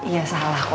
ya salah kok